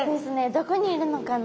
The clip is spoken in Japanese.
どこにいるのかな？